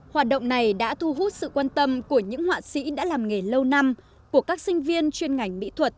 hoạt động này đã thu hút sự quan tâm của những họa sĩ đã làm nghề lâu năm của các sinh viên chuyên ngành mỹ thuật